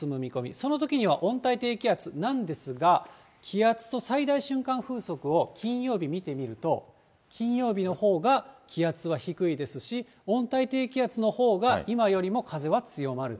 そのときには温帯低気圧なんですが、気圧と最大瞬間風速を金曜日、見てみると、金曜日のほうが気圧は低いですし、温帯低気圧のほうが今よりも風は強まると。